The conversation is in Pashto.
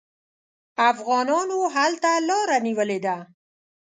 افغانانو هلته لاره نیولې ده.